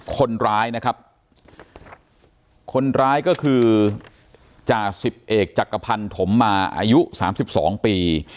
คนร้ายนะครับคนร้ายก็คือจ่าสิบเอกจักรพันธมมาอายุ๓๒ปี